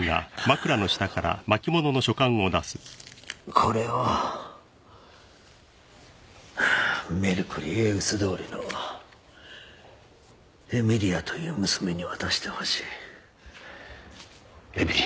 これをメルクリエウス通りのエミリアという娘に渡してほしいエミリア？